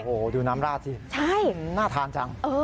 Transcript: โอ้โหดูน้ำราดสิน่าทานจัง